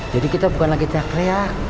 jadi kita bukan lagi teriak teriak